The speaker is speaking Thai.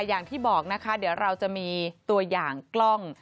อย่างที่บอกนะคะเดี๋ยวเราจะมีตัวอย่างกล้อง